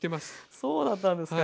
そうだったんですか。